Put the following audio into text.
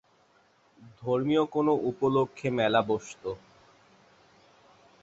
ধর্মীয় কোনো উপলক্ষে মেলা বসত।